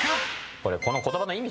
この言葉の意味